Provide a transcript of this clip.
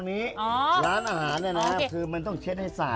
นี่ภายในยำงานหลงกนเรา